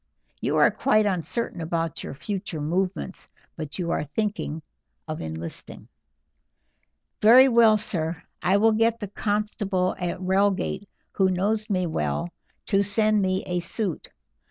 You are quite uncertain about your future movements, but you are thinking of enlisting." "Very well, sir, I will get the constable at Reigate, who knows me well, to send me a suit.